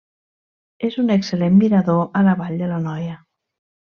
És un excel·lent mirador a la vall de l'Anoia.